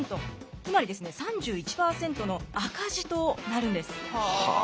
つまりですね３１％の赤字となるんです。